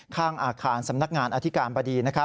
ข้างอาคารสำนักงานอธิการบดี